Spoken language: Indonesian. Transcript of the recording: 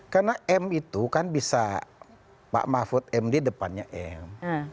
karena m itu kan bisa pak mahfud md depannya m